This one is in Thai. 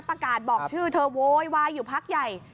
ประกาศบอกชื่อเธอโวยวายอยู่พักใหญ่